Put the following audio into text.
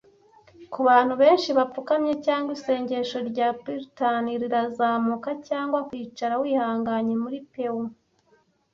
Kubantu benshi bapfukamye cyangwa isengesho rya puritan rirazamuka, cyangwa kwicara wihanganye muri pew,